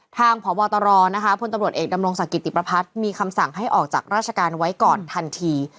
พบตรนะคะพลตำรวจเอกดำรงศักดิติประพัฒน์มีคำสั่งให้ออกจากราชการไว้ก่อนทันที